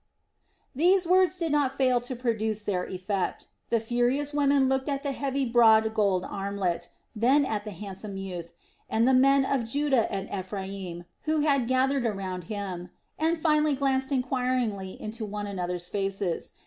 These words did not fail to produce their effect. The furious women looked at the heavy broad gold armlet, then at the handsome youth, and the men of Judah and Ephraim who had gathered around him, and finally glanced enquiringly into one another's faces.